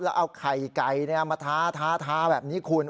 แล้วเอาไข่ไก่มาทาแบบนี้คุณ